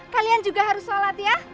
kalian juga harus sholat ya